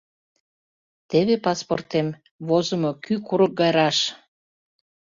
— Теве паспортем, возымо, кӱ курык гай раш.